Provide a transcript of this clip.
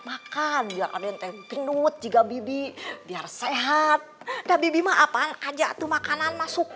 makan biar ada yang tenut juga bibi biar sehat tapi bima apaan aja tuh makanan masuk